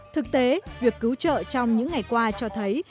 thực tế việc cứu trợ trong những ngày qua cho thấy